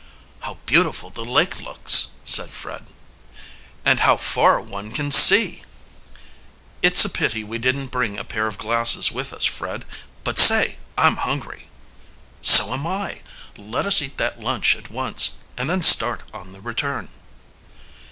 "How beautiful the lake looks!" said Fred. "And how far one can see!" "It's a pity we didn't bring a pair of glasses with us, Fred. But, say, I'm hungry." "So am I. Let us eat that lunch at once and then start on the return."